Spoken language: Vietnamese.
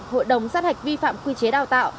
hội đồng sát hạch vi phạm quy chế đào tạo